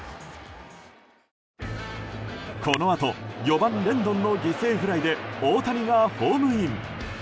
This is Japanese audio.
このあと４番、レンドンの犠牲フライで大谷がホームイン。